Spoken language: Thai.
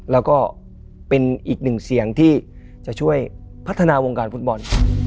แล้วก็เป็นอีกหนึ่งเสียงที่จะช่วยพัฒนาวงการฟุตบอล